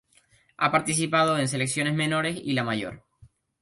Ha participado en Selecciones Menores y la Mayor.